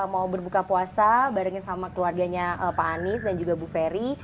mau berbuka puasa barengin sama keluarganya pak anies dan juga bu ferry